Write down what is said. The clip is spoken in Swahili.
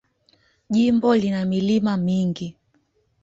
Jimbo lina milima mingi.